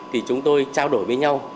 thì chúng tôi trao đổi với nhau